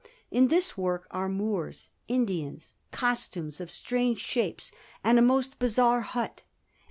In this work are Moors, Indians, costumes of strange shapes, and a most bizarre hut.